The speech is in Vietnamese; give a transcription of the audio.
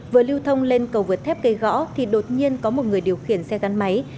vừa lưu thông lên cầu vượt thép cây gõ thì đột nhiên có một người điều khiển xe gắn máy